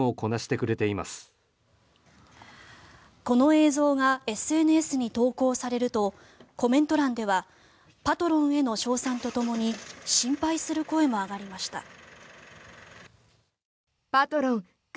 この映像がＳＮＳに投稿されるとコメント欄ではパトロンへの称賛とともに心配する声も上がりました。